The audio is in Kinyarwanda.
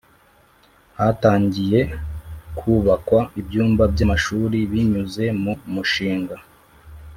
Hatangiye kubakwa ibyumba by amashuri binyuze mu mushinga